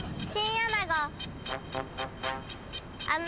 アナゴ。